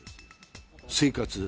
生活。